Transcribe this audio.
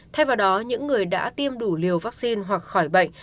thay vào đó những người đã tiêm đủ liều vaccine hoặc khỏi bệnh